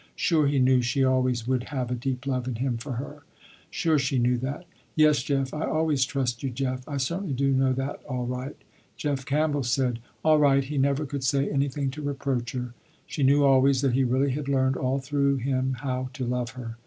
Sure he knew she always would have a deep love in him for her. Sure she knew that. "Yes Jeff, I always trust you Jeff, I certainly do know that all right." Jeff Campbell said, all right he never could say anything to reproach her. She knew always that he really had learned all through him how to love her.